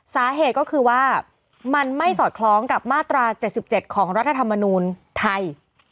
สาเหตุก็คือว่ามันไม่สอดคล้องกับมาตรา๗๗ของรัฐธรรมนูลไทย